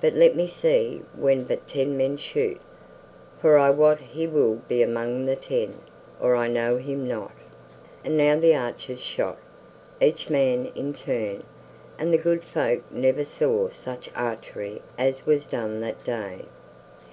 But let me see when but ten men shoot, for I wot he will be among the ten, or I know him not." And now the archers shot, each man in turn, and the good folk never saw such archery as was done that day.